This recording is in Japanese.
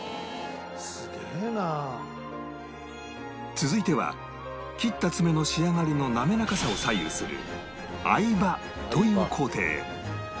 続いては切った爪の仕上がりの滑らかさを左右する合刃という工程